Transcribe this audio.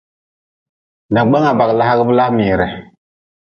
Dagbanga bagli hagʼbe laa miri.